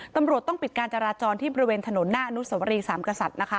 ตำรวจต้องปิดการจราจรที่บริเวณถนนหน้าอนุสวรีสามกษัตริย์นะคะ